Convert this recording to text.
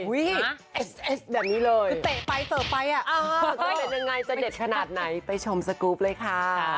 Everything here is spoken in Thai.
อุ๋ยแบบนี้เลยเตะไปฝ่าไปยังไงจะเด็ดขนาดไหนไปชมสกุพร์ล่ะคะ